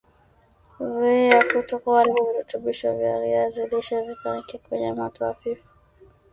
Kuzuia kuto kuharibu virutubisho vya viazi lishe vikaange kwenye moto hafifu